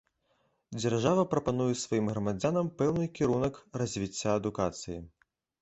Дзяржава прапануе сваім грамадзянам пэўны кірунак развіцця адукацыі.